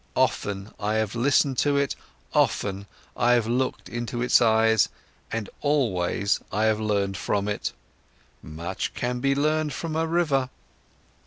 Often I have listened to it, often I have looked into its eyes, and always I have learned from it. Much can be learned from a river."